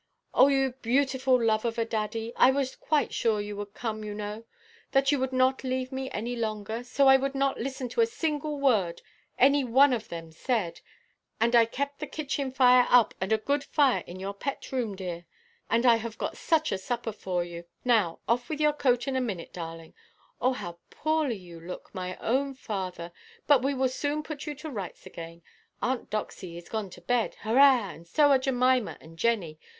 "Oh, you beautiful love of a daddy! I was quite sure you would come, you know; that you could not leave me any longer; so I would not listen to a single word any one of them said. And I kept the kitchen fire up, and a good fire in your pet room, dear; and I have got such a supper for you! Now, off with your coat in a minute, darling. Oh, how poorly you look, my own father! But we will soon put you to rights again. Aunt Doxy is gone to bed, hurrah! and so are Jemima and Jenny.